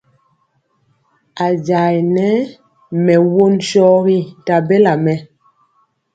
A jayɛ nɛ mɛ won sɔgi nta bela mɛ.